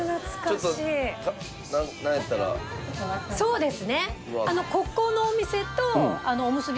そうですね。